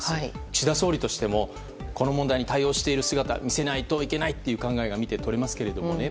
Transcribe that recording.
岸田総理としてもこの問題に対応している姿を見せないといけないという考えが見てとれますけどね。